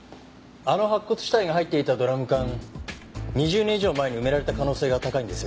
あの白骨死体が入っていたドラム缶２０年以上前に埋められた可能性が高いんですよね？